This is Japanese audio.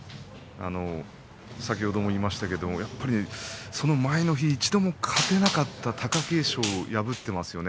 先ほども言いましたけれどやっぱりその前の日に、一度も勝てなかった貴景勝を破っていますよね。